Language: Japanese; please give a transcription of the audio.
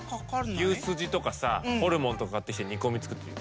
牛すじとかさホルモンとか買ってきて煮込み作ってるよ。